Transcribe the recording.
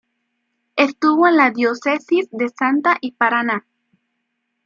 Estuvo en las diócesis de Salta y Paraná.